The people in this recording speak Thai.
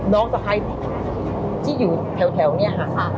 น้องสะพายที่อยู่แถวเนี่ยฮะ